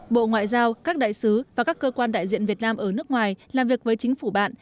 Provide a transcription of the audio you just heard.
bộ ngoại giao các đại sứ và các cơ quan đại diện việt nam ở nước ngoài làm việc với chính phủ bạn